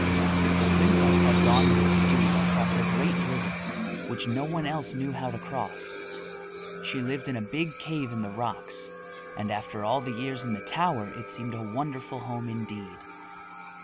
The princess had gone with the duke across a great river which no one else knew how to cross. She lived in a big cave in the rocks, and after all the years in the tower it seemed a wonderful home indeed.